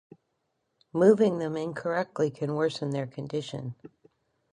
Moving them incorrectly can worsen their condition.